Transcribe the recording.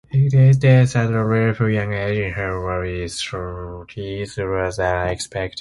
Eadgyth's death at a relatively young age, in her early thirties, was unexpected.